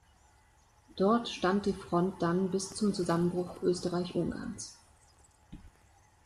Dort stand die Front dann bis zum Zusammenbruch Österreich-Ungarns.